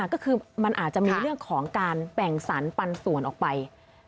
ก็คือมันอาจจะมีเรื่องของการแบ่งสรรปันส่วนออกไป